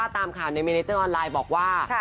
ตามข่าวในเมเนเจอร์ออนไลน์บอกว่า